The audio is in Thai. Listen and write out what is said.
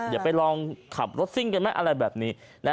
อย่าไปลองขับรถซิ่งกันไหมอะไรแบบนี้